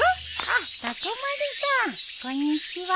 あっ高丸さんこんにちは。